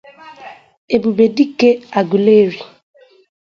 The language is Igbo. Ebubedike Aguleri